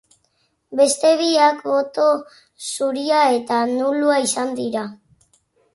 Beste biak boto zuria eta nulua izan dira.